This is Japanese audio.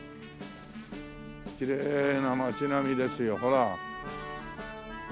きれいな町並みですよほら。